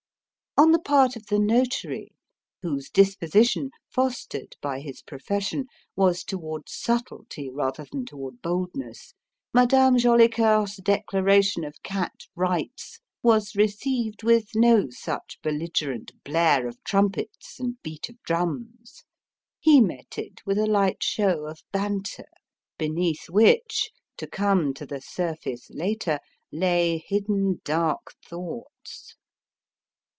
On the part of the Notary whose disposition, fostered by his profession, was toward subtlety rather than toward boldness Madame Jolicoeur's declaration of cat rights was received with no such belligerent blare of trumpets and beat of drums. He met it with a light show of banter beneath which, to come to the surface later, lay hidden dark thoughts.